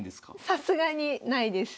さすがにないです。